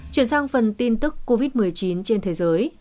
chuyển sang phần tin tức covid một mươi chín trên thế giới